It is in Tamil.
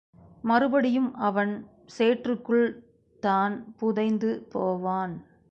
மறுபடியும் அவன் சேற்றுக்குள் தான் புதைந்து போவான்.